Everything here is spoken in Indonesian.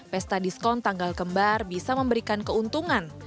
pesta diskon tanggal kembar bisa memberikan keuntungan